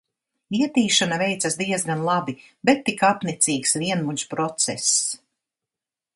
Ietīšana veicas diezgan labi, bet tik apnicīgs, vienmuļš process.